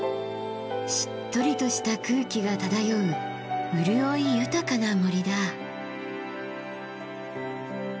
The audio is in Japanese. しっとりとした空気が漂う潤い豊かな森だ。